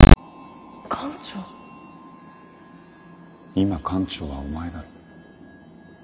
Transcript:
今艦長はお前だろ。